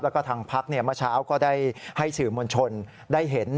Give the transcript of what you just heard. แล้วก็ทางพักเมื่อเช้าก็ได้ให้สื่อมวลชนได้เห็น